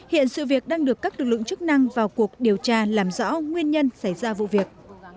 hiện sự việc đang được các lực lượng chức năng vào cuộc điều tra làm rõ nguyên nhân xảy ra vụ việc